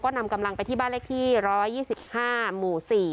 นำกำลังไปที่บ้านเลขที่๑๒๕หมู่๔